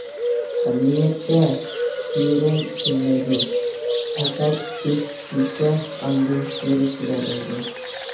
ئەمەلىيەتتە تېرە كۈلمەيدۇ، پەقەت گۆش كۈلسە ئاندىن تېرە كۈلەلەيدۇ.